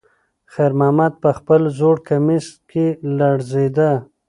خیر محمد په خپل زوړ کمیس کې لړزېده.